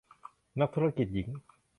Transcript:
นักธุรกิจหญิง